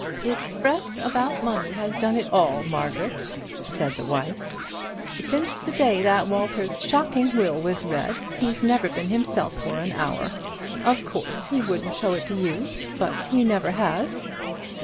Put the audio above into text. "It's fret about money has done it all, Margaret," said the wife. "Since the day that Walter's shocking will was read, he's never been himself for an hour. Of course he wouldn't show it to you; but he never has."